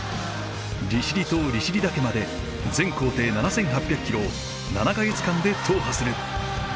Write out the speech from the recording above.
利尻島利尻岳まで全行程７，８００キロを７か月間で踏破する。